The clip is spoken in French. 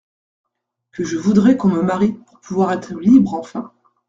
Que je voudrais qu’on me marie, Pour pouvoir être libre enfin !